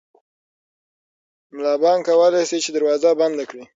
ملا بانګ کولی شي چې دروازه بنده کړي.